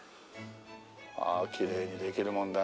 ああきれいにできるもんだね。